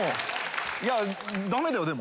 いやダメだよでも。